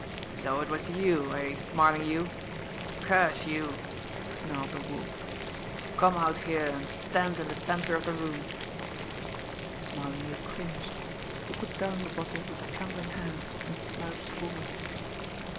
"So it was you eh Smarlinghue! Curse you!" snarled the Wolf. "Come out here, and stand in the centre of the room!" Smarlinghue cringed. He put down the bottle with a trembling hand, and slouched forward.